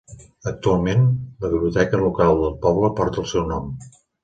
Actualment, la biblioteca local del poble porta el seu nom.